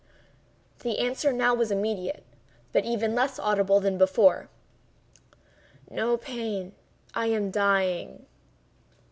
The answer now was immediate, but even less audible than before: "No pain—I am dying."